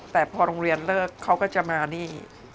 แต่พอโรงเรียนเลิกเขาก็จะมานี่